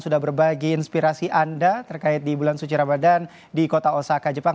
sudah berbagi inspirasi anda terkait di bulan suci ramadan di kota osaka jepang